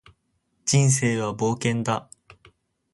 人生は冒険だ